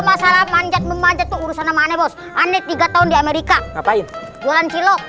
masalah manjat memanjat urusan namanya bos aneh tiga tahun di amerika ngapain jalan cilok